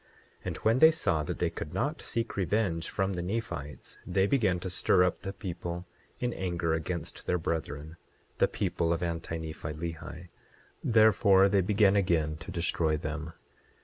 And when they saw that they could not seek revenge from the Nephites, they began to stir up the people in anger against their brethren, the people of Anti Nephi Lehi; therefore they began again to destroy them.